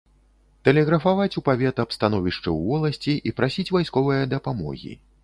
Тэлеграфаваць у павет аб становішчы ў воласці і прасіць вайсковае дапамогі.